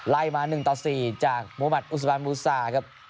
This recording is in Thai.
ไล่มา๑ต่อ๔จากมุมัติอุสบานมูซาครับ